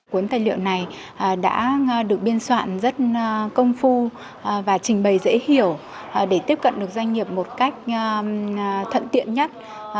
cuốn tài liệu này đã được biên soạn rất công phu và trình bày dễ hiểu để tiếp cận được doanh nghiệp một cách thận tiện nhất